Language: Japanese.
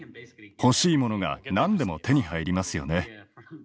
欲しいものが何でも手に入りますよね。